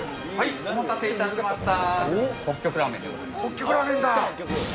お待たせいたしました。